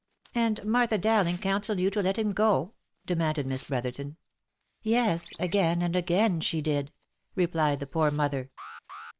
"And Martha Dowling counselled you to let him go?" demanded Miss Brotherton. " Yes, again and again, she did," replied the poor mother.